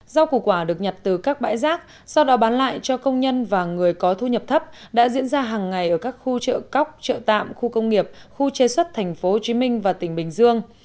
rau củ quả được nhặt từ các bãi rác sau đó bán lại cho công nhân và người có thu nhập thấp đã diễn ra hàng ngày ở các khu chợ cóc chợ tạm khu công nghiệp khu chế xuất tp hcm và tỉnh bình dương